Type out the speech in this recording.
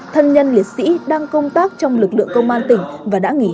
thân nhân liệt sĩ đang công tác trong lực lượng công an tỉnh và đã nghỉ hưu